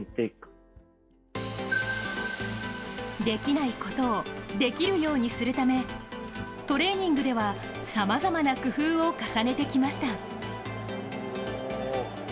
できないことをできるようにするため、トレーニングでは、さまざまな工夫を重ねてきました。